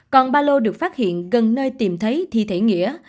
còn ba lô được phát hiện gần nơi tìm thấy thi thể nghĩa